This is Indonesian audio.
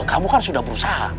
kamu kan sudah berusaha